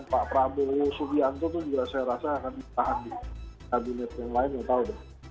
pak prabowo subianto itu juga saya rasa akan ditahan di kabinet yang lain ya tahu dong